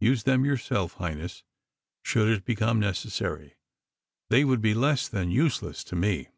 Use them yourself, Highness, should it become necessary. They would be less than useless to me."